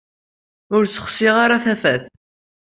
Ur ssexsiɣ ara tafat.